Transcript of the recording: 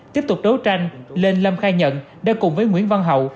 tiếp tục đấu tranh lên lâm khai nhận đã cùng với nguyễn văn hậu